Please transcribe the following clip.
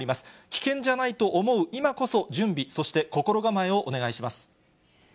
危険じゃないと思う今こそ、準備、そして心構えをお願いします。